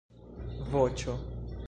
voĉo